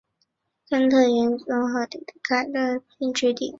根特源于利斯河和斯海尔德河汇合的凯尔特定居点。